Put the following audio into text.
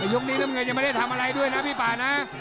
ยกนี้น้ำเงินยังไม่ได้ทำอะไรด้วยนะพี่ป่านะ